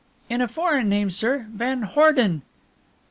"In a foreign name, sir van Horden."